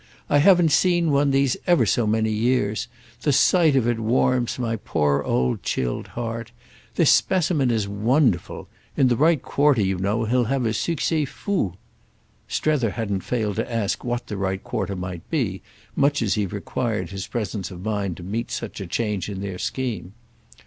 I haven't seen one these ever so many years; the sight of it warms my poor old chilled heart; this specimen is wonderful; in the right quarter, you know, he'll have a succès fou." Strether hadn't failed to ask what the right quarter might be, much as he required his presence of mind to meet such a change in their scheme.